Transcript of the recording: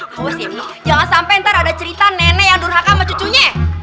awas ya ini jangan sampe ntar ada cerita nenek yang durhaka sama cucunya